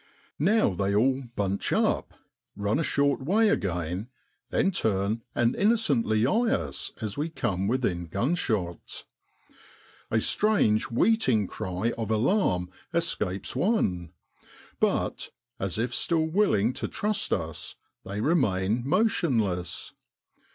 Now they all t bunch up,' run a short way again, then turn, and innocently eye us, as we come within gunshot. A strange weeting cry of alarm escapes one ; but, as if still willing to trust us, they remain motionless.